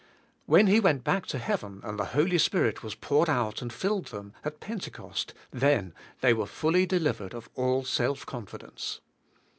When He went back to Heaven and the Holy Spirit was poured out and filled them, at Pen tecost, then they were fully delivered of all self confidence.